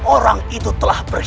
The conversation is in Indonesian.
orang itu telah berjalan